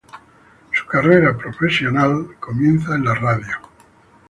Su carrera profesional comienza en la radio.